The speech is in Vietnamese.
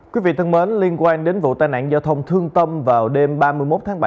quý vị thân mến liên quan đến vụ tai nạn giao thông thương tâm vào đêm ba mươi một tháng ba